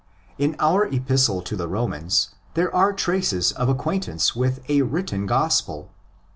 In our Epistle to the Romans there are traces of acquaintance with a written Gospel.